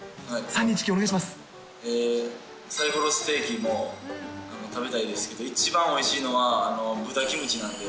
３、２、１、サイコロステーキも食べたいですけど、一番おいしいのは、豚キムチなんで。